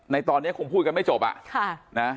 ในตอนนี้ทำว่าพูดกันไม่จบอะ